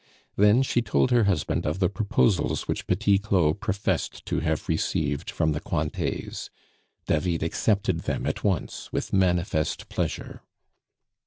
Then she told her husband of the proposals which Petit Claud professed to have received from the Cointets. David accepted them at once with manifest pleasure.